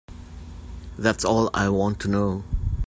That's all I want to know.